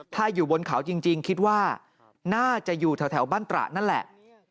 ถ้าอยู่บนเขาจริงคิดว่าน่าจะอยู่แถวบ้านตระนั่นแหละ